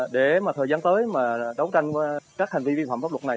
để mà thời gian tới mà đấu tranh với các hành vi vi phạm pháp luật này